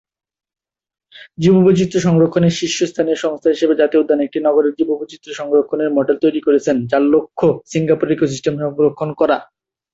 জীববৈচিত্র্য সংরক্ষণের শীর্ষস্থানীয় সংস্থা হিসাবে জাতীয় উদ্যান একটি নগরের জীববৈচিত্র্য সংরক্ষণের মডেল তৈরি করেছেন, যার লক্ষ্য সিঙ্গাপুরের ইকো-সিস্টেম সংরক্ষণ করা।